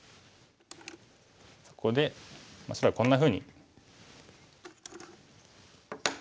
そこで白はこんなふうに。